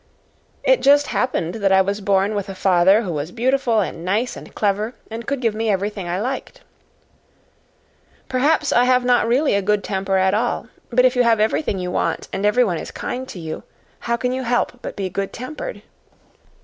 It just happened that I was born with a father who was beautiful and nice and clever, and could give me everything I liked. Perhaps I have not really a good temper at all, but if you have everything you want and everyone is kind to you, how can you help but be good tempered?